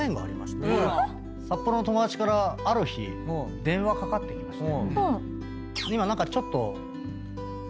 札幌の友達からある日電話かかってきまして。